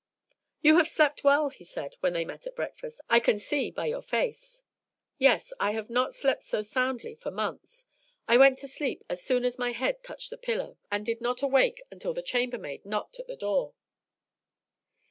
"You have slept well," he said, when they met at breakfast, "I can see by your face." "Yes, I have not slept so soundly for months. I went to sleep as soon as my head touched the pillow, and did not awake until the chambermaid knocked at the door."